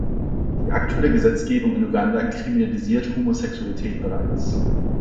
Die aktuelle Gesetzgebung in Uganda kriminalisiert Homosexualität bereits.